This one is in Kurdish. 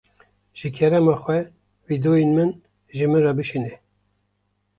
Ji kerema xwe vîdyoyên min ji min re bişîne.